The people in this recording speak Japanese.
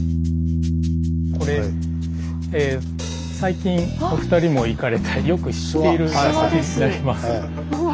これ最近お二人も行かれてよく知っている場所になります。